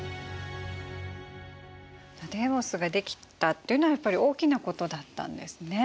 デーモスが出来たというのはやっぱり大きなことだったんですね。